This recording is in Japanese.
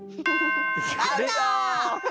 アウト！